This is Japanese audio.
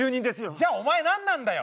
じゃあお前何なんだよ！